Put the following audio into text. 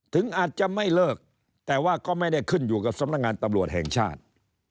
ถึงอาจจะไม่เลิกแต่ว่าก็ไม่ได้ขึ้นอยู่กับสำนักงานตำรวจแห่งชาติ